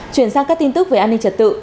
chuyển sang các tin tức về an ninh trật tự